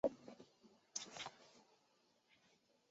茱莉亚罗勃兹毕业于亚特兰大大学新闻学系。